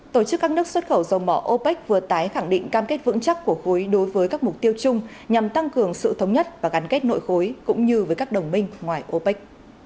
tổ chức các nước xuất khẩu dầu mỏ opec vừa tái khẳng định cam kết vững chắc của khối đối với các mục tiêu chung nhằm tăng cường sự thống nhất và gắn kết nội khối cũng như với các đồng minh ngoài opec